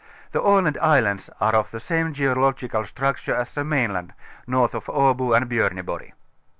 The Aland islands are of the same geological structure as the mainland, north of Abo and Bjorneborg.